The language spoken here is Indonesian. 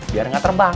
biar gak terbang